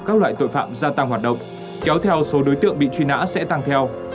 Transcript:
các loại tội phạm gia tăng hoạt động kéo theo số đối tượng bị truy nã sẽ tăng theo